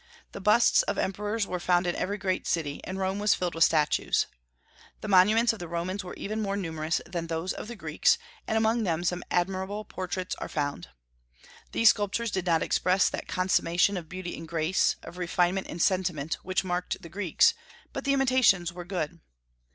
The busts of emperors were found in every great city, and Rome was filled with statues. The monuments of the Romans were even more numerous than those of the Greeks, and among them some admirable portraits are found. These sculptures did not express that consummation of beauty and grace, of refinement and sentiment, which marked the Greeks; but the imitations were good.